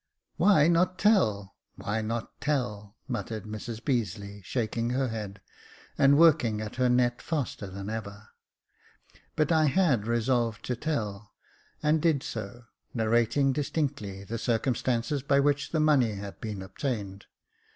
" Why not tell — why not tell ?" muttered Mrs Beazeley, shaking her head, and working at her net faster than ever. But I had resolved to tell, and did so, narrating distinctly the circumstances by which the money had been obtained.